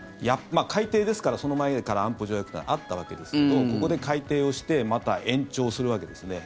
改定ですからその前から安保条約というのはあったわけですけどここで改定をしてまた延長するわけですね。